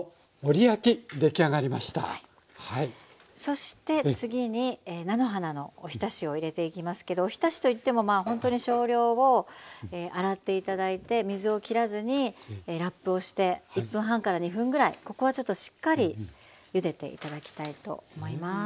そして次に菜の花のおひたしを入れていきますけどおひたしといってもまあほんとに少量を洗って頂いて水をきらずにラップをして１分半２分ぐらいここはちょっとしっかりゆでて頂きたいと思います。